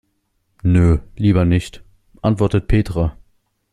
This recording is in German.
Nö, lieber nicht, antwortet Petra.